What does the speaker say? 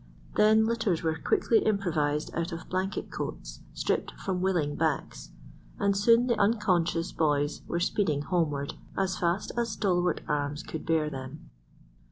Then litters were quickly improvised out of blanket coats stripped from willing backs, and soon the unconscious boys were speeding homeward as fast as stalwart arms could bear them.